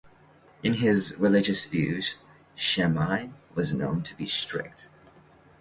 In his religious views Shammai was known to be strict.